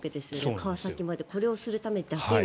川崎までこれをするためだけに。